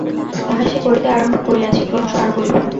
তাহা সে করিতে আরম্ভ করিয়াছে, ক্রমশ আরও করিবে।